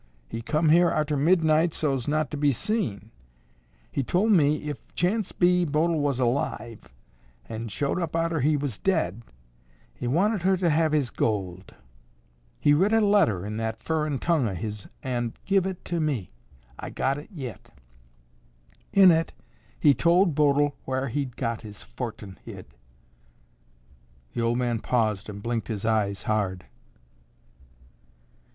He come here arter midnight so's not to be seen. He tol' me if, chance be, Bodil was alive an' showed up arter he was dead, he wanted her to have his gold. He writ a letter in that furrin tongue o' his an' give it to me. I got it yit. In it he tol' Bodil whar he'd got his fortin hid." The old man paused and blinked his eyes hard.